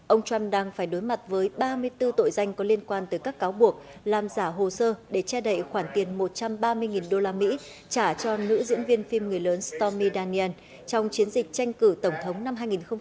ông trump đang phải đối mặt với ba mươi bốn tội danh có liên quan tới các cáo buộc làm giả hồ sơ để che đậy khoản tiền một trăm ba mươi đô la mỹ trả cho nữ diễn viên phim người lớn stomy daniel trong chiến dịch tranh cử tổng thống năm hai nghìn một mươi tám